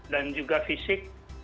dan juga fisik